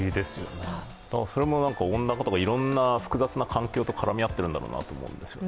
それも温暖化とかいろんな複雑な環境と絡み合っていると思うんですよ。